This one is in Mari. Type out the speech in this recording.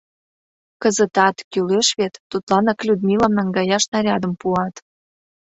Кызытат, кӱлеш вет, тудланак Людмилам наҥгаяш нарядым пуат.